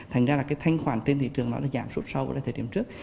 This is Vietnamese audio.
thành ra là cái thanh khoản trên thị trường nó đã giảm rốt sau thời điểm trước